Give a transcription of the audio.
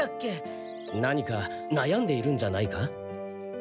何かなやんでいるんじゃないか？